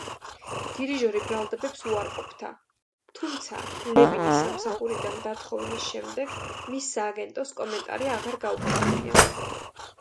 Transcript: დირიჟორი ბრალდებებს უარყოფდა, თუმცა ლევინის სამსახურიდან დათხოვნის შემდეგ, მის სააგენტოს კომენტარი აღარ გაუკეთებია.